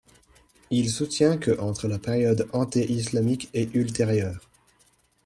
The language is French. Il soutient que entre la période anté-islamique et ultérieure.